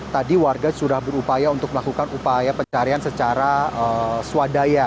tadi warga sudah berupaya untuk melakukan upaya pencarian secara swadaya